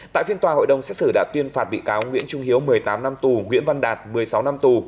tại phiên tòa hội đồng xét xử đã tuyên phạt bị cáo nguyễn trung hiếu một mươi tám năm tù nguyễn văn đạt một mươi sáu năm tù